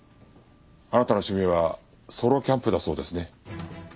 あなたの趣味はソロキャンプだそうですね。